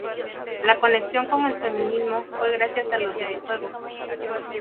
la conexión con el feminismo fue gracias a los videojuegos